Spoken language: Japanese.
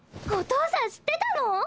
お父さん知ってたの？